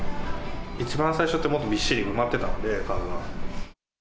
一番最初って、もっとびっしり埋まってたので、カードが。